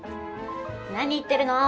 何言ってるの？